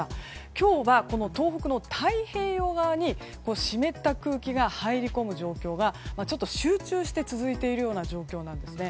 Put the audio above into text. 今日は東北の太平洋側に湿った空気が入り込む状況がちょっと集中して続いているような状況なんです。